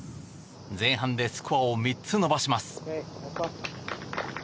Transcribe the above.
前半でスコアを３つ伸ばします。